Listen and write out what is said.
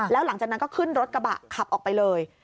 แล้วหลังจากนั้นก็ขึ้นรถกระบะขับออกไปเลย